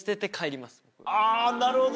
あなるほど。